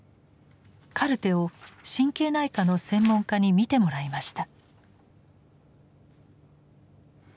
カルテを神経内科の専門家に見てもらいました。